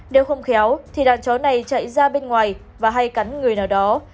nếu không khéo thì đàn chó này chạy ra bên ngoài và hay cắn người nào đó